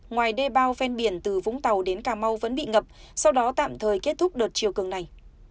ngoài đê bao ven biển từ vũng tàu đến cà mau vẫn bị ngập sau đó tạm thời kết thúc đợt chiều cường này